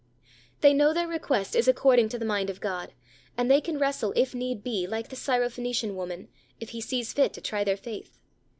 They know their request is according to the mind of God, and they can wrestle, if need be, like the Syrophenician woman, if He sees fit to try their faith.